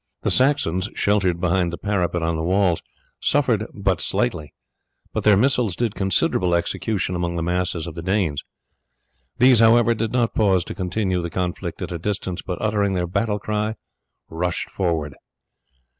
The Saxons, sheltered behind the parapet on the walls, suffered but slightly; but their missiles did considerable execution among the masses of the Danes. These, however, did not pause to continue the conflict at a distance, but uttering their battle cry rushed forward.